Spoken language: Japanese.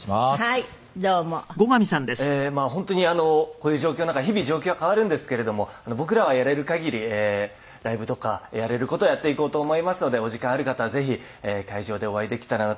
本当にこういう状況の中日々状況は変わるんですけれども僕らはやれる限りライブとかやれる事をやっていこうと思いますのでお時間ある方はぜひ会場でお会いできたらなと思います。